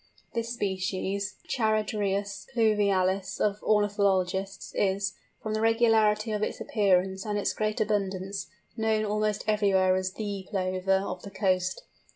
This species, the Charadrius pluvialis of ornithologists, is, from the regularity of its appearance and its great abundance, known almost everywhere as the Plover of the coast.